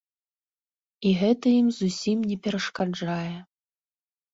І гэта ім зусім не перашкаджае!